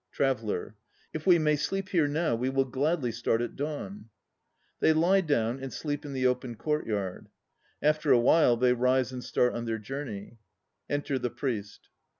TRAVELLER. If we may sleep here now we will gladly start at dawn. (They lie down and sleep in the open courtyard. After a while they rise and start on their journey.) Enter the PRIEST.